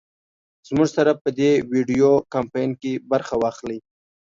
زمونږ سره په دې وېډيو کمپين کې برخه واخلۍ